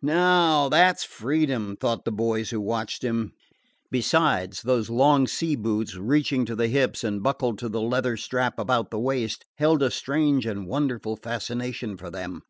"Now that 's freedom," thought the boys who watched him. Besides, those long sea boots, reaching to the hips and buckled to the leather strap about the waist, held a strange and wonderful fascination for them.